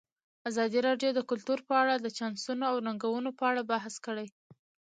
ازادي راډیو د کلتور په اړه د چانسونو او ننګونو په اړه بحث کړی.